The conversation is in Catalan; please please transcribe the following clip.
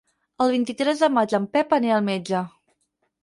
El vint-i-tres de maig en Pep anirà al metge.